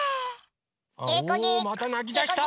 おまたなきだした！